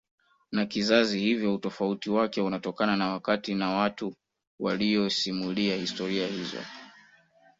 na kizazi hivyo utofauti wake unatokana na wakati na watu waliyosimulia historia hizo